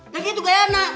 ga gitu ga ya